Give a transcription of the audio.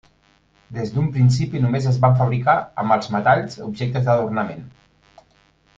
Des d'un principi, només es van fabricar, amb els metalls, objectes d'adornament.